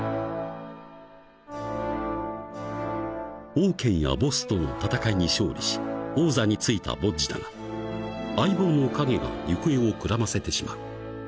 ［オウケンやボッスとの戦いに勝利し王座に就いたボッジだが相棒のカゲが行方をくらませてしまう］